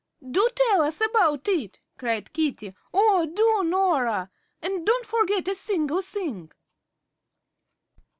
"Do tell us about it," cried Katie. "Oh, do, Norah. And don't forget a single thing."